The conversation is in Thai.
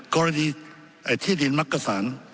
คณะนี้ดินมักกับสรรค์